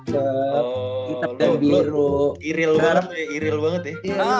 oh ok siarannya paling cakep ya menurut gue ok sih warna paling cakep